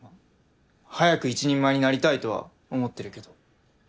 早く一人前になりたいとは思ってるけど。